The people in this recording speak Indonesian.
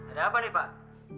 ada apa nih pak